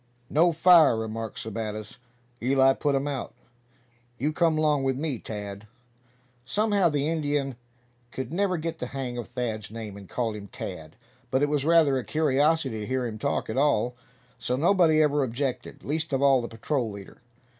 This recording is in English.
"No fire," remarked Sebattis. "Eli put um out. You come 'long with me, Tad!" Somehow the Indian could never get the hang of Thad's name, and called him Tad; but it was rather a curiosity to hear him talk at all, so nobody ever objected, least of all the patrol leader.